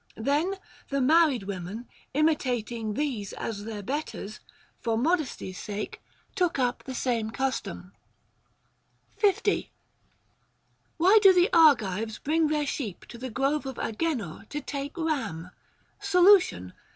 Then the married women, imitating these as their betters, for modesty's sake took up the sam^ justom. THE GREEK QUESTIONS. 289 Question 50. Why do the Argives bring their sheep to the grove of Agenor to take ram'? Solution.